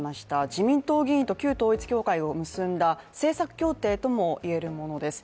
自民党議員と旧統一教会を結んだ政策協定とも言えるものです。